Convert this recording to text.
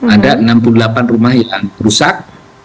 ada enam puluh delapan rumah yang rusak